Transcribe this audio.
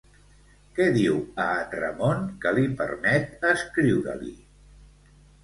Què diu a en Ramon que li permet escriure-li?